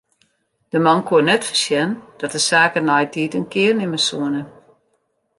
De man koe net foarsjen dat de saken neitiid in kear nimme soene.